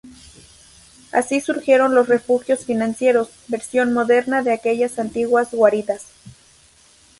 Así surgieron los refugios financieros, versión moderna de aquellas antiguas guaridas.